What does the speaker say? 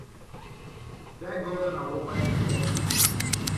There goes an hour by the clock!